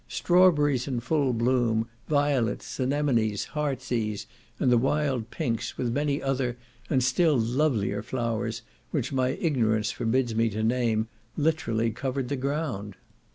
Strawberries in full bloom, violets, anemonies, heart's ease, and wild pinks, with many other, and still lovelier flowers, which my ignorance forbids me to name, literally covered the ground.